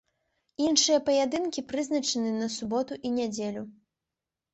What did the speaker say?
Іншыя паядынкі прызначаны на суботу і нядзелю.